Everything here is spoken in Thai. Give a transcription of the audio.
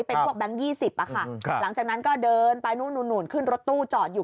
เป็นพวกแก๊ง๒๐ค่ะหลังจากนั้นก็เดินไปนู่นขึ้นรถตู้จอดอยู่